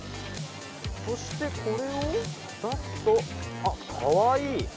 そしてこれを出すと、あ、かわいい。